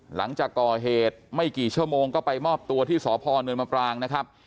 หลังจากก่อเหตุไม่กี่ชั่วโมงก็ไปมอบตัวที่สพเนินมปรางนะครับ